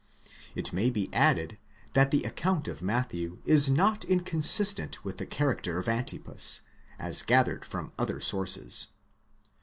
It may be added, that the account of Matthew is not inconsistent with the character of Antipas, as gathered from other sources.